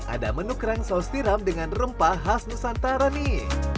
ada menu kerang saus tiram dengan rempah khas nusantara nih